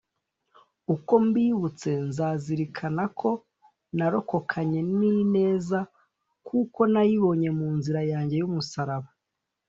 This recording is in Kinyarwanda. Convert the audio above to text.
uko mbibutse nzazirikana ko narokokanye n'ineza kuko nayibonye mu nzira yanjye y'umusalaba.